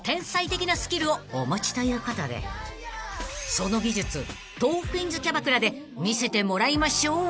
［その技術トークィーンズキャバクラで見せてもらいましょう］